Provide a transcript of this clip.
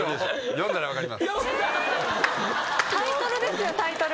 タイトルですよタイトル。